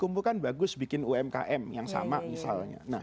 bukan bagus bikin umkm yang sama misalnya